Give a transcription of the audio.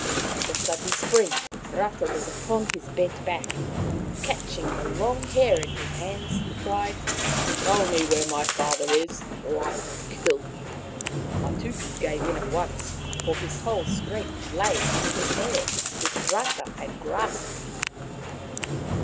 With a sudden spring Rata was upon his bent back. Catching the long hair in his hands, he cried: " Tell me where my father is, or I will kill you." Matuku gave in at once, for his whole strength lay in his hair, which Rata grasped.